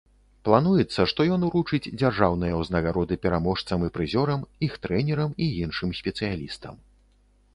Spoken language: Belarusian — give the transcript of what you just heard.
Плануецца, што ён уручыць дзяржаўныя ўзнагароды пераможцам і прызёрам, іх трэнерам і іншым спецыялістам.